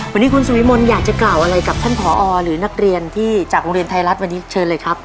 วันนี้คุณสุวิมลอยากจะกล่าวอะไรกับท่านผอหรือนักเรียนที่จากโรงเรียนไทยรัฐวันนี้เชิญเลยครับ